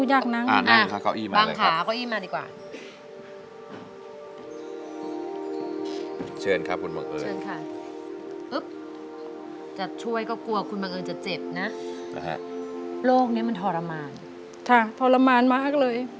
ใช่ทรมานมากเลย